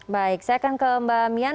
baik saya akan ke mbak mian